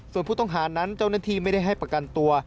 ส่วนผู้ต้องหานั้นเจ้าหน้าที่ไม่ได้ให้ประกันตัว